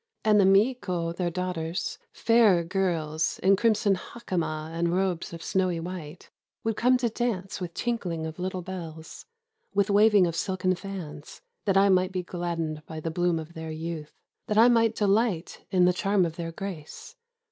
And the miko their daugh ters, fair girls in crimson hakama and robes of snowy white, would come to dance with tinkHng of little bells, with waving of silken fans, that I might be gladdened by the bloom of their youth, that I might delight in the 366 HOW IT WOULD FEEL TO BE A SHINTO GOD charm of their grace.